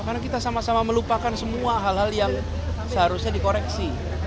karena kita sama sama melupakan semua hal hal yang seharusnya dikoreksi